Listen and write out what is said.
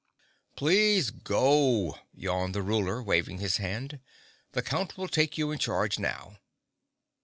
"Please go," yawned the Ruler, waving his hand. "The Count will take you in charge now."